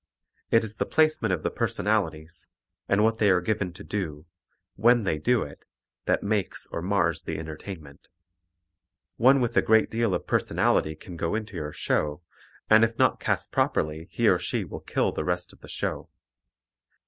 It is the placement of the personalities, and what they are given to do when they do it that makes or mars the entertainment. One with a great deal of personality can go into your show, and if not cast properly he or she will kill the rest of the show.